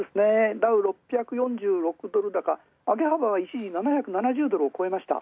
ダウ６４６ドル高、上げ幅は一時、７７０ドルを越えました。